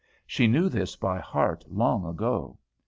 She knew this by heart long ago.